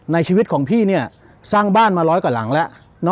ในชีวิตของพี่สร้างบ้านมาร้อยกว่าหลังแล้ว